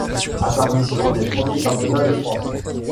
Apparition des premiers championnats de France.